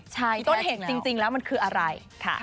ต้นเหตุจริงแล้วมันคืออะไร